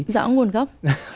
rõ nguồn gốc